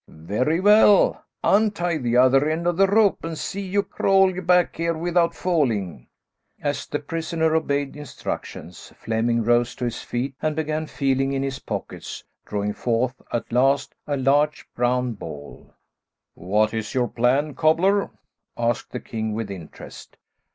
"Very well. Untie the other end of the rope, and see you crawl back here without falling." As the prisoner obeyed instructions, Flemming rose to his feet and began feeling in his pockets, drawing forth, at last, a large brown ball. "What is your plan, cobbler?" asked the king, with interest.